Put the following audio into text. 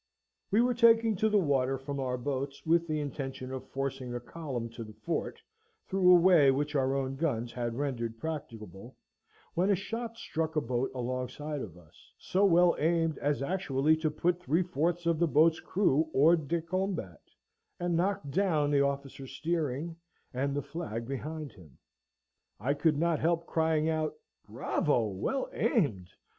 We were taking to the water from our boats, with the intention of forcing a column to the fort, through a way which our own guns had rendered practicable, when a shot struck a boat alongside of us, so well aimed, as actually to put three fourths of the boat's crew hors de combat, and knock down the officer steering, and the flag behind him. I could not help crying out, "Bravo! well aimed!"